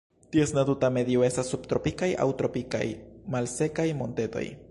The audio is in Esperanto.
Ties natura medio estas subtropikaj aŭ tropikaj malsekaj montetoj.